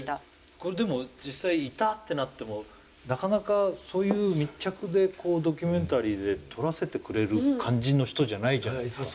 これでも実際いたってなってもなかなかそういう密着でドキュメンタリーで撮らせてくれる感じの人じゃないじゃないですか。